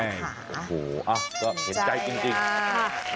โอ้โหอ่ะก็เห็นใจจริง